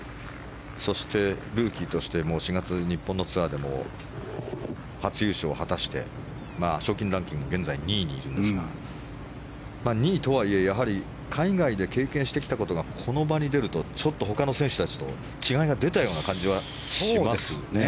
そしてルーキーとして４月、日本のツアーでも初優勝を果たして賞金ランキングは現在、２位にいるんですが２位とはいえ海外で経験してきたことがこの場に出るとちょっと他の選手たちと違いが出ちゃうような感じはしますね。